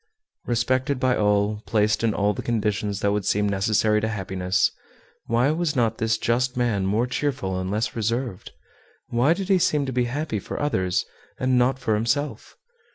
Respected by all, placed in all the conditions that would seem necessary to happiness, why was not this just man more cheerful and less reserved? Why did he seem to be happy for others and not for himself?